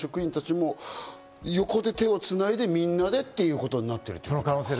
収容所の職員も横で手をつないで、みんなでということになっている。